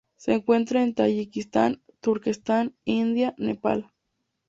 Se encuentra en Tayikistán, Turkestán, India, Nepal.